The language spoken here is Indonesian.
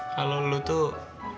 kalau lo tuh